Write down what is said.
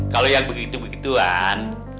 kalau yang gitu begituan